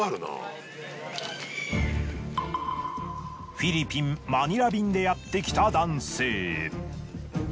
フィリピンマニラ便でやってきた男性。